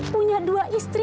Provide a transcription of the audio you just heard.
punya dua istri